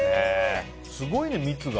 すごいね、蜜が。